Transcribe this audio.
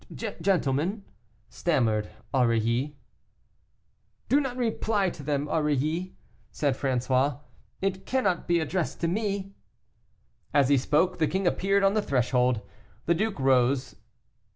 "Gentlemen " stammered Aurilly. "Do not reply to them, Aurilly," said François, "it cannot be addressed to me." As he spoke the king appeared on the threshold. The duke rose.